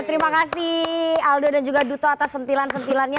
terima kasih aldo dan juga duto atas sentilan sentilannya